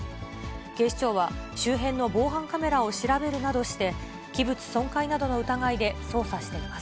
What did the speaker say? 警視庁は周辺の防犯カメラを調べるなどして、器物損壊などの疑いで捜査しています。